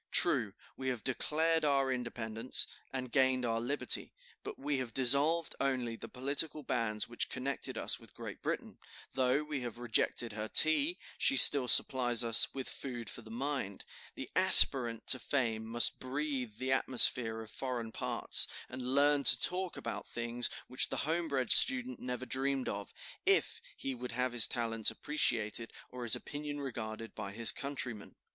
True, we have declared our independence, and gained our liberty, but we have dissolved only the political bands which connected us with Great Britain; though we have rejected her tea, she still supplies us with food for the mind. The aspirant to fame must breathe the atmosphere of foreign parts, and learn to talk about things which the homebred student never dreamed of, if he would have his talents appreciated or his opinion regarded by his countrymen.